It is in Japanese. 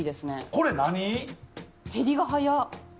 これ何？